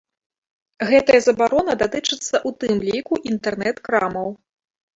Гэтая забарона датычыцца ў тым ліку інтэрнэт-крамаў.